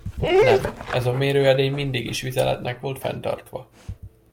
Nem, ez a mérőedény mindig is vizeletnek volt fenntartva.